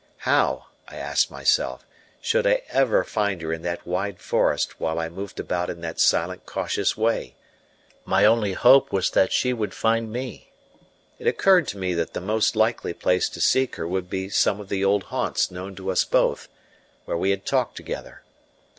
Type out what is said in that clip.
How, I asked myself, should I ever find her in that wide forest while I moved about in that silent, cautious way? My only hope was that she would find me. It occurred to me that the most likely place to seek her would be some of the old haunts known to us both, where we had talked together.